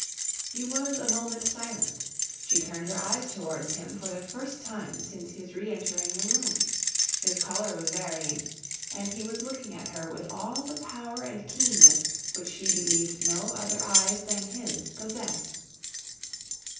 He was a moment silent. She turned her eyes towards him for the first time since his re entering the room. His colour was varying, and he was looking at her with all the power and keenness which she believed no other eyes than his possessed.